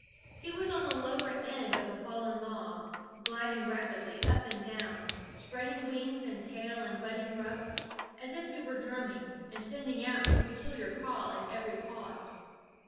He was on the lower end of a fallen log, gliding rapidly up and down, spreading wings and tail and budding ruff, as if he were drumming, and sending out his peculiar call at every pause.